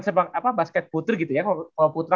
sebang basket putri gitu ya kalo putra